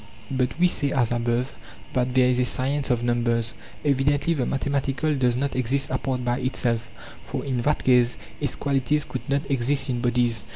But we say, as above, that there is a science of numbers. LEvi dently the mathematical does not exist apart by itself, for in that case its qualities could not exist in bodies.